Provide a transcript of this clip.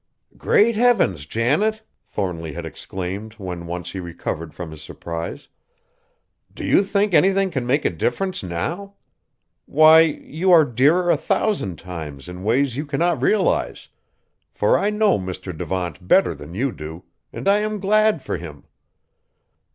"Great heavens, Janet!" Thornly had exclaimed when once he recovered from his surprise. "Do you think anything can make a difference now? Why, you are dearer a thousand times in ways you cannot realize, for I know Mr. Devant better than you do, and I am glad for him."